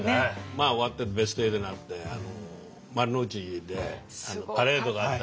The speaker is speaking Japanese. まあ終わってベスト８になって丸の内でパレードがあった。